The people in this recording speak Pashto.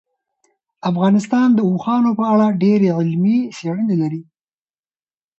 افغانستان د اوښانو په اړه ډېرې علمي څېړنې لري.